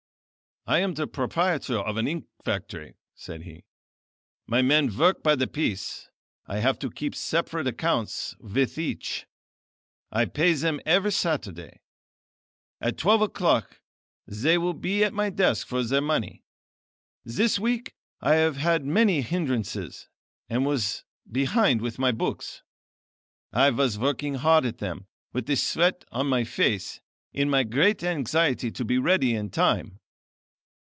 "I am the proprietor of an ink factory," said he. "My men work by the piece. I have to keep separate accounts with each. I pay them every Saturday. At twelve o'clock they will be at my desk for their money. This week I have had many hindrances and was behind with my books. I was working hard at them with the sweat on my face, in my great anxiety to be ready in time.